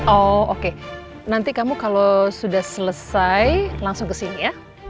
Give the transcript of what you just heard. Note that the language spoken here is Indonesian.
oh oke nanti kamu kalau sudah selesai langsung kesini ya